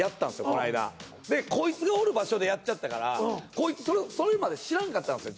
この間でコイツがおる場所でやっちゃったからコイツそれまで知らんかったんすよ